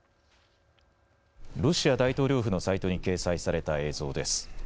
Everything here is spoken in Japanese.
ロシア大統領府のサイトに掲載された映像です。